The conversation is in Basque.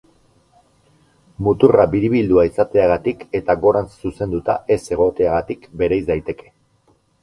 Muturra biribildua izateagatik eta gorantz zuzenduta ez egoteagatik, bereiz daiteke.